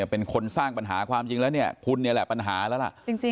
เป็นคนสร้างปัญหาความจริงแล้วเนี่ยคุณนี่แหละปัญหาแล้วล่ะ